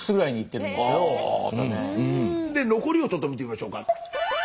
残りをちょっと見てみましょうか。